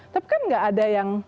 tapi kan nggak ada yang